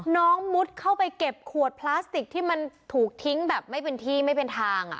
มุดเข้าไปเก็บขวดพลาสติกที่มันถูกทิ้งแบบไม่เป็นที่ไม่เป็นทาง